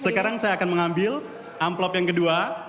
sekarang saya akan mengambil amplop yang kedua